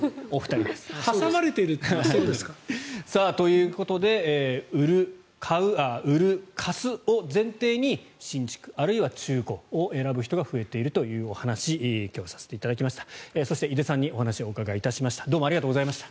挟まれてるってことですか？ということで売る、貸すを前提に新築、あるいは中古を選ぶ人が増えているというお話を今日はさせていただきました。